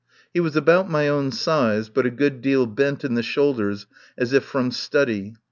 He was about my own size, but a good deal bent in the shoulders as if from study.